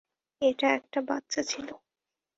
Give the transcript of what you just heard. এটা একটা বাচ্চা ছিল।